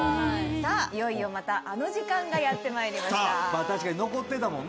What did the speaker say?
いよいよまたあの時間がやってまいりました。